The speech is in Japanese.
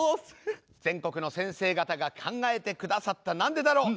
全国の先生方が考えて下さった「なんでだろう」